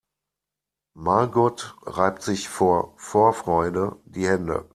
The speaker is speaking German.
Margot reibt sich vor Vorfreude die Hände.